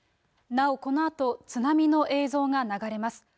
なおこのあと、津波の映像が流れます。